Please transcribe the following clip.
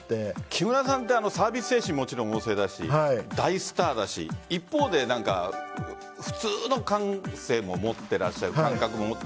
木村さんはサービス精神旺盛だし大スターだし一方で普通の感性も持っていらっしゃる。